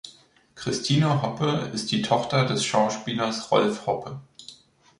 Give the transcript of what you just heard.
Christine Hoppe ist die Tochter des Schauspielers Rolf Hoppe.